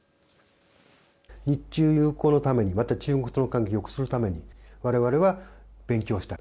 日中友好のためにまた中国との関係をよくするために我々は勉強した。